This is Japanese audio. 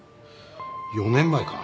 ４年前か。